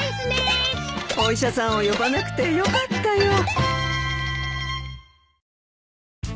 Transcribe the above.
お医者さんを呼ばなくてよかったよ。